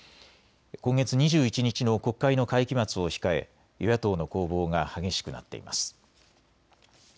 今月２１日の国会の会期末を控え与野党の攻防が激しくなっています。